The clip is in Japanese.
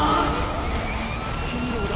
・ヒーローだ！